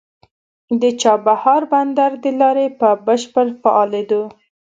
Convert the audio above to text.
د چابهار بندر د لارې په بشپړ فعالېدو